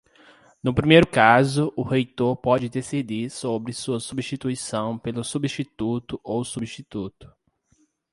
No primeiro caso, o reitor pode decidir sobre sua substituição pelo substituto ou substituto.